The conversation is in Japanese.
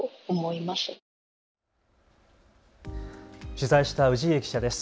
取材した氏家記者です。